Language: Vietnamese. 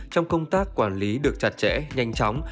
trong công tác quản lý được chặt chẽ nhanh chóng